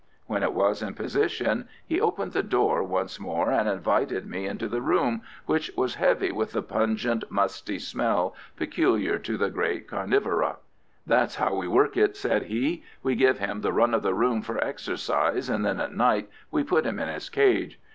When it was in position he opened the door once more and invited me into the room, which was heavy with the pungent, musty smell peculiar to the great carnivora. "That's how we work it," said he. "We give him the run of the room for exercise, and then at night we put him in his cage.